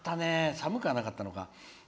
寒くはなかったのか。